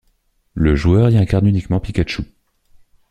Le joueur y incarne uniquement Pikachu.